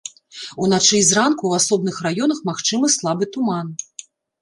Уначы і зранку ў асобных раёнах магчымы слабы туман.